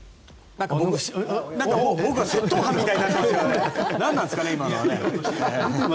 僕が窃盗犯みたいになっていますがなんなんですかね、今のはね。